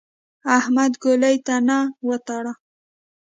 احمد ګولۍ ته نه وتاړه.